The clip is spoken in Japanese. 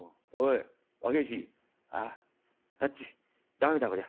駄目だこりゃ。